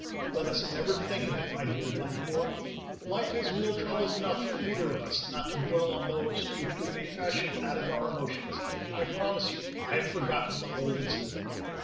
"Let us never think of it, my dear Glenoore. Life has real troubles enough for either of us, not to dwell on those which we may fashion out of our emotions. I promise you, I have forgotten the whole incident."